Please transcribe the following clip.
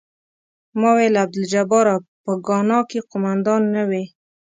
ما ویل عبدالجباره په ګانا کې قوماندان نه وې.